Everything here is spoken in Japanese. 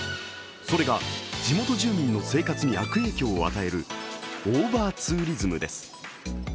それが、地元住民の生活に悪影響を与えるオーバーツーリズムです。